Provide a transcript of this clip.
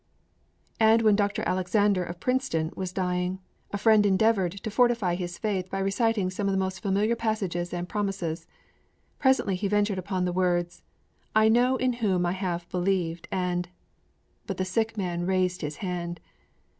And when Dr. Alexander, of Princeton, was dying, a friend endeavored to fortify his faith by reciting some of the most familiar passages and promises. Presently he ventured upon the words: 'I know in whom I have believed, and ' But the sick man raised his hand.